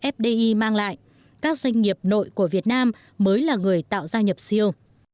fdi mang lại các doanh nghiệp nội của việt nam mới là người tạo gia nhập siêu